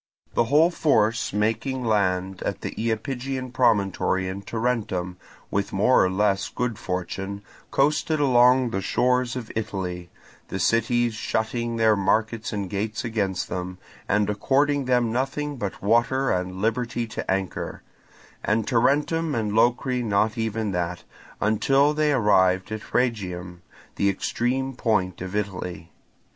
The whole force making land at the Iapygian promontory and Tarentum, with more or less good fortune, coasted along the shores of Italy, the cities shutting their markets and gates against them, and according them nothing but water and liberty to anchor, and Tarentum and Locri not even that, until they arrived at Rhegium, the extreme point of Italy.